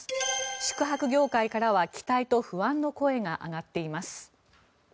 宿泊業界からは期待と不安の声が上がっています。